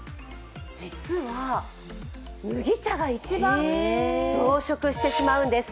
実は、麦茶が一番増殖してしまうんです。